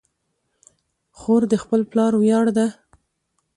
خور د خپل پلار ویاړ ده.